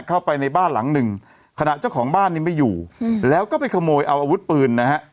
เข้าไปในบ้านหลังหนึ่งขณะเจ้าของบ้านนี้ไม่อยู่แล้วก็ไปขโมยเอาอาวุธปืนนะฮะ